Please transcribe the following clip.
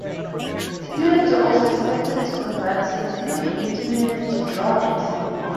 Students were also expected to conduct scientific experiments, to draw and sing.